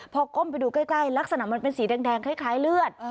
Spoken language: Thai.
พอก้มไปดูใกล้ลักษณะมันเป็นสีแดงคล้ายเลือด